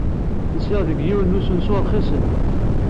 Nsiɣ deg yiwen n usensu rxisen.